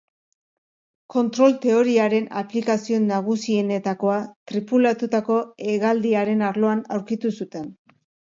Kontrol-teoriaren aplikazio nagusienetakoa tripulatutako hegaldiaren arloan aurkitu zuten.